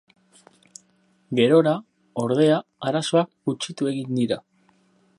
Gerora, ordea, arazoak gutxitu egin dira.